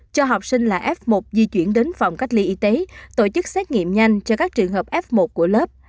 cho học sinh là f một di chuyển đến phòng cách ly y tế tổ chức xét nghiệm nhanh cho các trường hợp f một của lớp